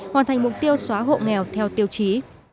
hoàn thành mục tiêu xóa hộ nghèo theo tiêu chí